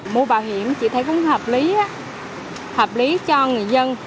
mua bảo hiểm chị thấy cũng hợp lý hợp lý cho người dân